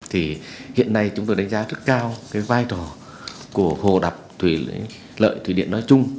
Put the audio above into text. hiện nay chúng tôi đánh giá rất cao vai trò của hồ đập thủy lợi thủy điện nói chung